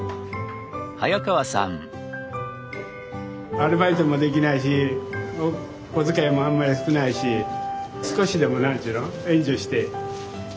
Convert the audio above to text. アルバイトもできないし小遣いもあんまり少ないし少しでも何ていうの援助して頑張ってもらいたい。